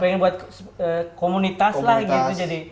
pengen buat komunitas lah gitu